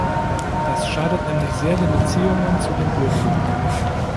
Das schadet nämlich sehr den Beziehungen zu den Bürgern.